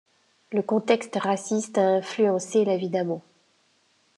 Le contexte raciste a influencé la vie d’Amo.